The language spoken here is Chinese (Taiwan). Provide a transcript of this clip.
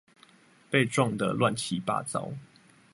被撞的亂七八糟